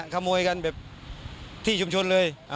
ขโมยกันที่ชุมชุนเลย